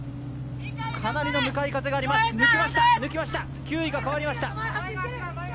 かなりの向かい風があります、抜きました９位が変わりました。